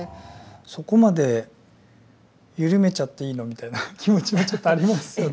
そこまで緩めちゃっていいのみたいな気持ちもちょっとありますよね。